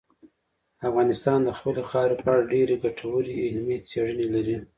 افغانستان د خپلې خاورې په اړه ډېرې ګټورې علمي څېړنې لري.